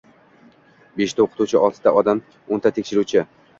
Beshta oʻqituvchi, oltita odam, oʻnta tekshiruvchi